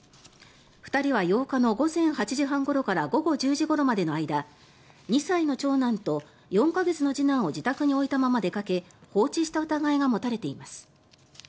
２人は８日の午前８時半ごろから午後１０時ごろまでの間２歳の長男と４か月の次男を自宅に置いたまま出かけ放置した疑いが持たれています。